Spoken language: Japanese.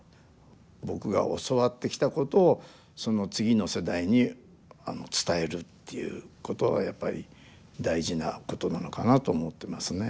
僕が教わってきたことをその次の世代に伝えるっていうことはやっぱり大事なことなのかなと思ってますねええ